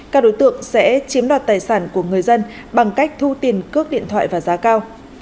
các đối tượng sẽ chiếm đoạt tài sản của người dân bằng cách thu tiền cước điện thoại và giá cao